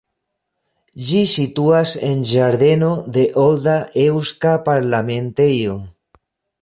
Ĝi situas en ĝardeno de olda eŭska parlamentejo.